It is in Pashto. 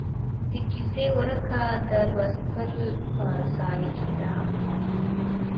د کیسې ورکه د لوست په ځای کې ده.